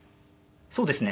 そうですね。